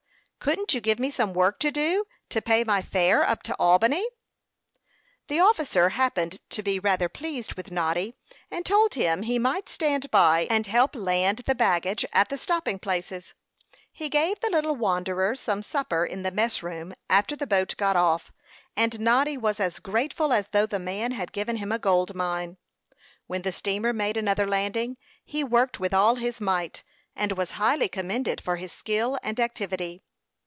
"Couldn't you give me some work to do, to pay my fare up to Albany?" The officer happened to be rather pleased with Noddy, and told him he might stand by and help land the baggage at the stopping places. He gave the little wanderer some supper in the mess room, after the boat got off, and Noddy was as grateful as though the man had given him a gold mine. When the steamer made another landing, he worked with all his might, and was highly commended for his skill and activity.